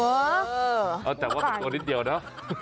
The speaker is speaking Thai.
เออแต่ว่าแต่ตัวนิดเดียวนะ